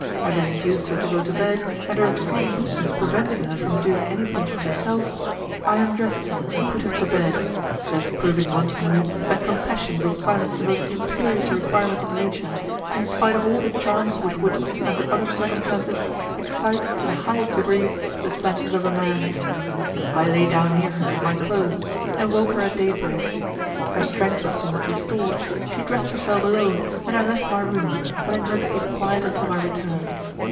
Having induced her to go to bed, and her extreme weakness preventing her from doing anything for herself, I undressed her and put her to bed, thus proving once more that compassion will silence the most imperious requirements of nature, in spite of all the charms which would, under other circumstances, excite to the highest degree the senses of a man. I lay down near her in my clothes, and woke her at day break. Her strength was somewhat restored, she dressed herself alone, and I left my room, telling her to keep quiet until my return.